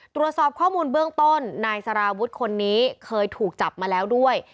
ตรวจสอบข้อมูลเบื้องต้นนายสารวุฒิคนนี้เคยถูกจับมาแล้วด้วย